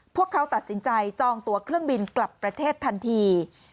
พวกเขาตัดสินใจจองตัวเครื่องบินกลับประเทศทันที